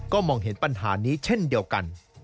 ก็มองเห็นปัญหานี้เช่นเดียวกัน